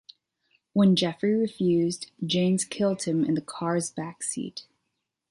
When Jeffrey refused, Jaynes killed him in the car's backseat.